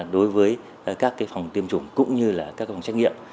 đối với các phòng tiêm chủng cũng như các phòng trách nghiệm